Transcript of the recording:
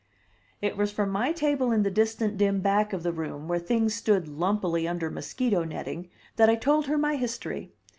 It was from my table in the distant dim back of the room, where things stood lumpily under mosquito netting, that I told her my history.